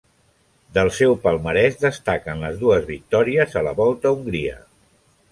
Del seu palmarès destaquen les dues victòries a la Volta a Hongria.